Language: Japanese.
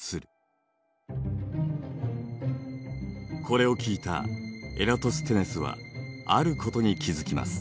これを聞いたエラトステネスはあることに気付きます。